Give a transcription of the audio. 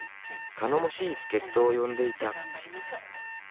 頼もしい助っ人を呼んでいた。